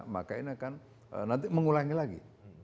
maka ini akan nanti mengulangi lagi